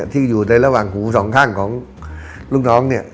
ที่อยู่ในระหว่างหูสองข้างของลูกน้องเนี่ย